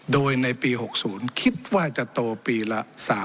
โดยในปี๖๐คิดว่าจะโตปีละ๓๐